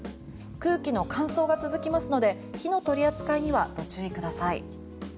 空気の乾燥が続きますので火の取り扱いにはご注意ください。